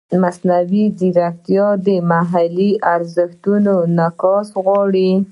مصنوعي ځیرکتیا د محلي ارزښتونو انعکاس غواړي.